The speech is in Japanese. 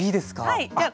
はい。